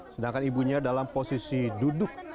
sedangkan ibunya dalam posisi duduk